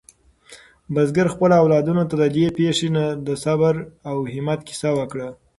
بزګر خپلو اولادونو ته د دې پېښې نه د صبر او همت کیسه وکړه.